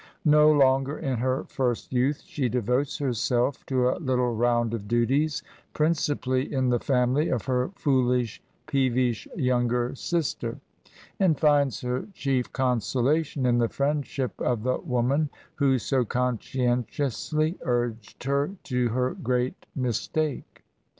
No longer in her first youth, she devotes herself to a little round of duties, principally in the family of her foolish, peevish younger sister; and finds her chief consolation in the friendship of the wo man who so conscientiously urged her to her great mis take.